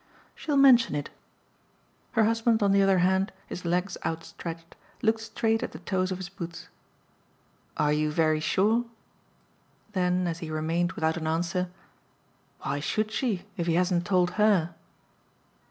"She'll mention it." Her husband on the other hand, his legs outstretched, looked straight at the toes of his boots. "Are you very sure?" Then as he remained without an answer: "Why should she if he hasn't told HER?"